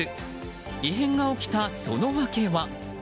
異変が起きたその訳は？